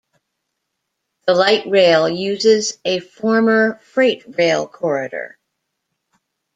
The light rail uses a former freight rail corridor.